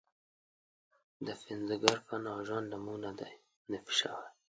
د پنځګر فن او ژوند له موږ نه دی نفي شوی.